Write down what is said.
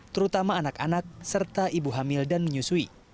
terutama anak anak serta ibu hamil dan menyusui